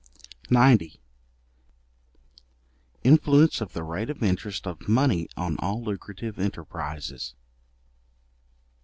§90. Influence of the rate of interest of money on all lucrative enterprizes.